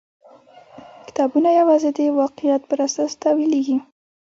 کتابونه یوازې د واقعیت پر اساس تاویلېږي.